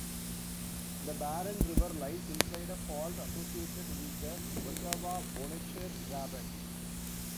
The Barron River lies inside a fault associated with the Ottawa-Bonnechere Graben.